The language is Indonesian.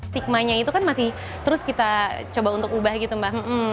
stigmanya itu kan masih terus kita coba untuk ubah gitu mbak